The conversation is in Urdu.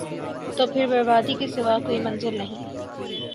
تو پھر بربادی کے سوا کوئی منزل نہیں ۔